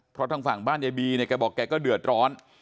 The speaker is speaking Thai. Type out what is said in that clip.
เพราะทางฝั่งบ้านยายบีเนี่ยแกบอกแกก็เดือดร้อน